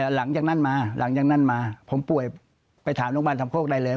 หลังจากนั้นมาผมป่วยไปถามณบันทำโคตรไทยเลย